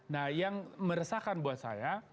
nah yang meresahkan buat saya